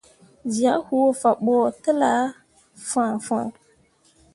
Zyak huu fah ɓo telah fãhnfãhn.